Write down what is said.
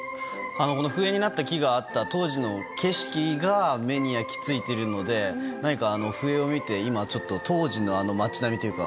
笛になった木があった当時の景色が目に焼き付いているので何か笛を見て当時の街並みというのを